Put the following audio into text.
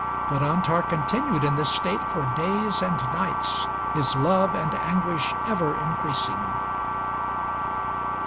But Antar continued in this state for days and nights, his love and anguish ever increasing.